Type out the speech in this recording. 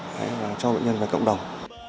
thứ hai là cho bệnh nhân về cộng đồng